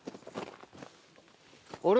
あれ？